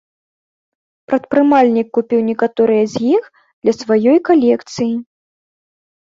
Прадпрымальнік купіў некаторыя з іх для сваёй калекцыі.